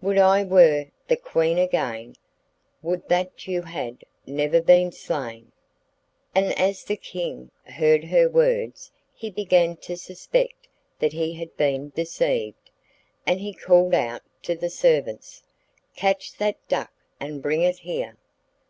Would I were the Queen again; Would that you had never been slain.' And as the King heard her words he began to suspect that he had been deceived, and he called out to the servants, 'Catch that duck, and bring it here.